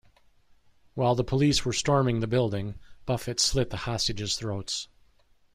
While the police were storming the building, Buffet slit the hostages' throats.